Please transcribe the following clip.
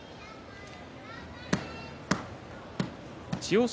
千代翔